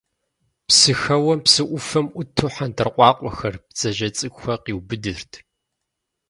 Псыхэуэм, псы ӏуфэм ӏуту, хьэндыркъуакъуэхэр, бдзэжьей цӏыкӏухэр къиубыдырт.